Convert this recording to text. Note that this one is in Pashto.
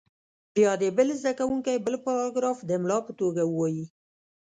بیا دې بل زده کوونکی بل پاراګراف د املا په توګه ووایي.